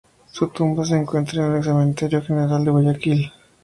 Su tumba se encuentra en el Cementerio General de Guayaquil.